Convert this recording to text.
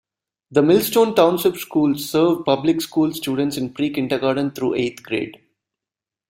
The Millstone Township Schools serve public school students in pre-kindergarten through eighth grade.